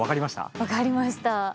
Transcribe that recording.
分かりました。